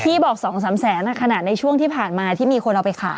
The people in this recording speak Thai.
ที่บอก๒๓แสนขนาดในช่วงที่ผ่านมาที่มีคนเอาไปขาย